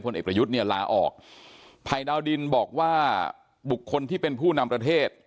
เอกประยุทธ์เนี่ยลาออกภัยดาวดินบอกว่าบุคคลที่เป็นผู้นำประเทศ